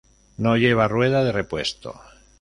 No lleva rueda de repuesto.